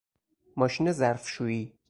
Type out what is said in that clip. ماشین ظرفشویی